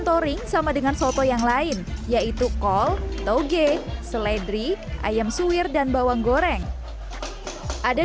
toring sama dengan soto yang lain yaitu kol toge seledri ayam suwir dan bawang goreng ada